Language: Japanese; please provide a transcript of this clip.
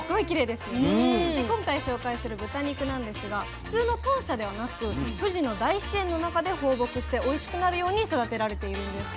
で今回紹介する豚肉なんですが普通の豚舎ではなく富士の大自然の中で放牧しておいしくなるように育てられているんです。